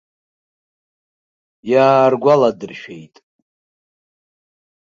Иааргәаладыршәеит.